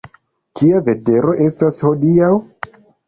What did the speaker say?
Kia vetero estas hodiaŭ?